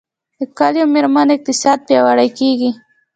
د کلیوالي میرمنو اقتصاد پیاوړی کیږي